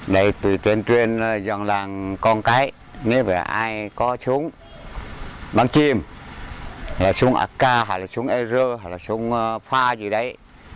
đây tùy tuyên truyền dân làng con cái nếu phải ai có súng bắn chim súng ak súng ar súng pha gì đấy